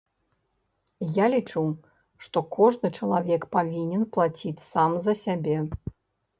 Я лічу, што кожны чалавек павінен плаціць сам за сябе.